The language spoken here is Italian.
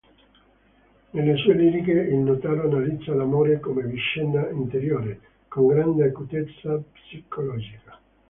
Nelle sue liriche il Notaro analizza l'amore come vicenda interiore, con grande acutezza psicologica.